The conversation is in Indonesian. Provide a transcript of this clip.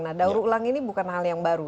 nah daur ulang ini bukan hal yang baru